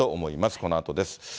このあとです。